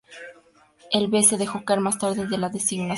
El B se dejó caer más tarde de la designación.